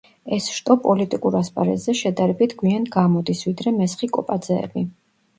ეს შტო პოლიტიკურ ასპარეზზე შედარებით გვიან გამოდის ვიდრე მესხი კოპაძეები.